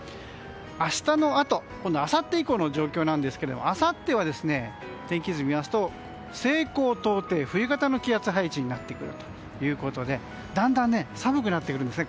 明日のあとあさって以降の状況ですが天気図を見ますと西高東低と冬型の気圧配置になってくるということでだんだん寒くなってくるんですね